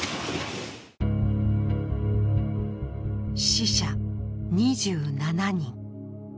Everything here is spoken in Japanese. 死者２７人。